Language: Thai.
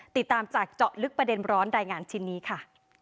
ติดตามจากเจาะลึกประเด็นร้อนรายงานชิ้นนี้ค่ะ